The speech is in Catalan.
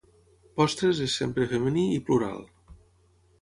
"Postres" és sempre femení i plural